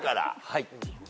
はい。